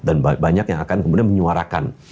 dan banyak yang akan kemudian menyuarakan